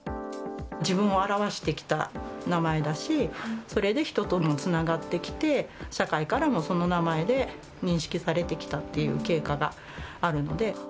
自分を表してきた名前だし、それで人ともつながってきて、社会からもその名前で認識されてきたっていう経過があるので。